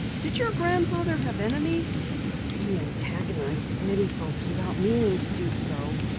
Did your grandfather have enemies?" "He antagonizes many folks without meaning to do so.